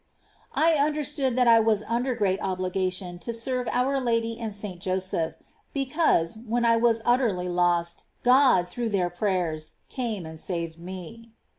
I understood that I was under great obliga tions to serve our Lady and S. Joseph, because, when I was utterly lost, God, through their prayers, came and saved me.